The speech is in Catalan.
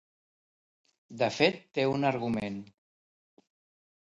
De fet té un argument.